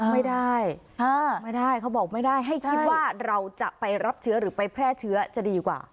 ไม่ได้ไม่ได้เขาบอกไม่ได้ให้คิดว่าเราจะไปรับเชื้อหรือไปแพร่เชื้อจะดีกว่า